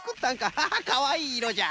ハハかわいいいろじゃ。